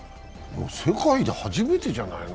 世界で初めてじゃないの？